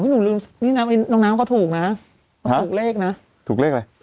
น้องน้ำเขาถูกนะถูกเลขนะถูกเลขอะไร